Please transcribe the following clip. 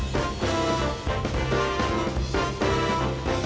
สวัสดีครับสวัสดีครับ